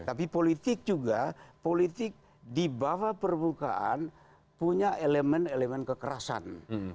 tapi politik juga politik di bawah permukaan punya elemen elemen kekerasan